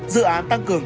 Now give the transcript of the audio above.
dự án tăng cường